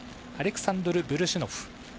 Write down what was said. アレクサンドル・ブルシュノフ。